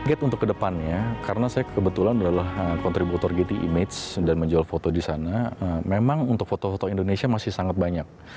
gate untuk kedepannya karena saya kebetulan adalah kontributor gate image dan menjual foto di sana memang untuk foto foto indonesia masih sangat banyak